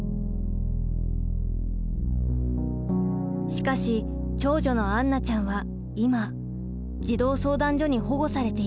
しかし長女の杏奈ちゃんは今児童相談所に保護されています。